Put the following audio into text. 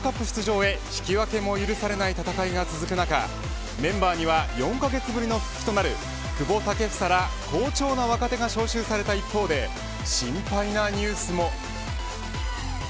出場へ引き分けも許されない戦いが続く中メンバーには４カ月ぶりの復帰となる久保建英ら好調な若手が招集された一方で心配なニュースも。